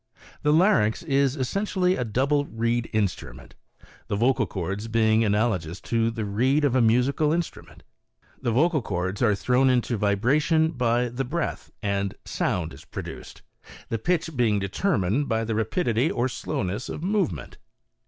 The larynx is essentially a double reed instrument, the vocal cords being analogous to the reed of a musical instrument. The vocal cords are thrown into vibration hy the breath and sound is produced, the pitch being determined by the rapidity or slowness of movement.